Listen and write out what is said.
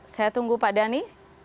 saya tunggu pak dhani